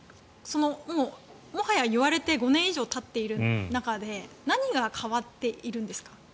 もはや言われて５年以上たっている中で何が変わっているんですか？